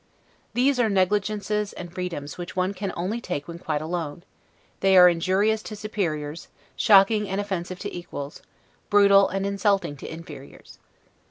These are negligences and freedoms which one can only take when quite alone; they are injurious to superiors, shocking and offensive to equals, brutal and insulting to inferiors.